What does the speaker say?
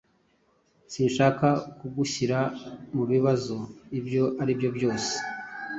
Sinshaka kugushyira mubibazo ibyo aribyo byose.